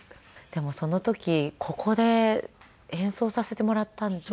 でもその時ここで演奏させてもらったんですよね。